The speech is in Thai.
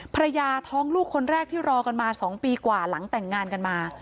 ภรรยาท้องลูกคนแรกที่รอกันมา๒ปีกว่าหลังแต่งงานกันมา